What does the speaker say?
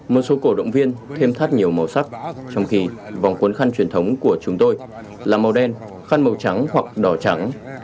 một số cổ động viên thêm thắt nhiều màu sắc trong khi vòng quấn khăn truyền thống của chúng tôi là màu đen khăn màu trắng hoặc đỏ trắng